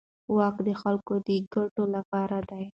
واک د خلکو د ګټو لپاره دی.